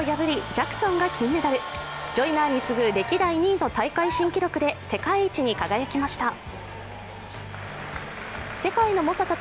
ジョイナーに次ぐ歴代２位の大会新記録で世界一に輝きました。